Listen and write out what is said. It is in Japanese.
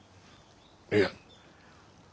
いや。